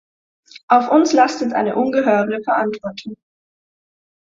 Auf uns lastet eine ungeheure Verantwortung.